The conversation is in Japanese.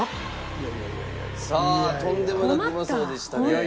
さあとんでもなくうまそうでしたね。